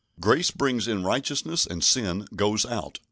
Grace brings in righteousness and sin goes out.